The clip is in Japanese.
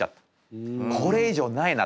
これ以上ないなとこの先。